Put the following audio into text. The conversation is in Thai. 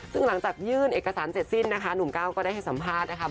ซึ่งหลังจากยื่นเอกสารเสร็จสิ้นนะคะหนุ่มก้าวก็ได้ให้สัมภาษณ์นะคะ